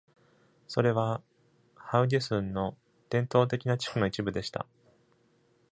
それは、ハウゲスンの伝統的な地区の一部でした。